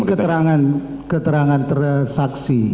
keterangan terhadap saksi